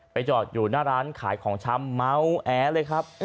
จอดอยู่หน้าร้านขายของชำเมาแอเลยครับ